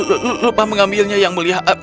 lupa mengambilnya yang mulia